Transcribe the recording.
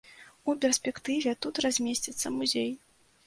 У перспектыве тут размесціцца музей.